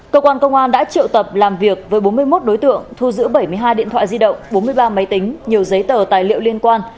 cơ quan công an đã triệu tập làm việc với bốn mươi một đối tượng thu giữ bảy mươi hai điện thoại di động bốn mươi ba máy tính nhiều giấy tờ tài liệu liên quan